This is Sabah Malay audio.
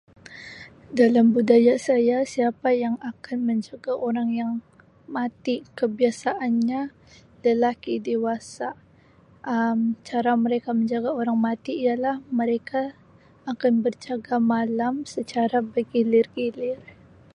Dalam budaya saya siapa yang akan menjaga orang yang mati kebiasaanya lelaki dewasa Um cara mereka menjaga orang mati ialah mereka akan berjaga malam secara bergilir-gilir.